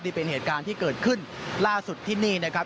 นี่เป็นเหตุการณ์ที่เกิดขึ้นล่าสุดที่นี่นะครับ